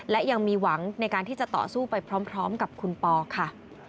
และยังมีหวังในการที่จะต่อสู้ไปพร้อมกับคุณปอค่ะ